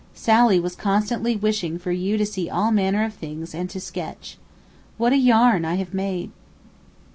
Sally was constantly wishing for you to see all manner of things and to sketch. What a yarn I have made!